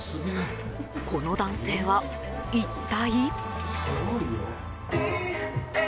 この男性は、一体？